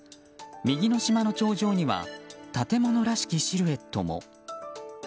右の島の頂上には建物らしきシルエットも。